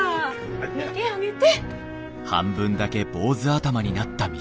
見てあげて。